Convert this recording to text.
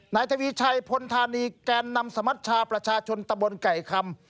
นายทวีชัยพลธานีแกนนำสมัชชาประชาชนตะบนไก่คำ